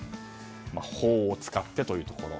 法を使ってというところ。